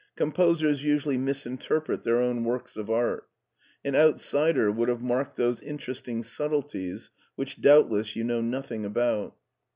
Composers usually misinterpret their own works of art. An outsider would have marked those interesting subtleties which doubtless you know nothing about.